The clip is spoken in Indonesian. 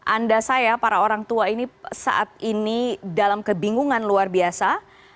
anda saya para orang tua ini saat ini dalam kebingungan luar biasa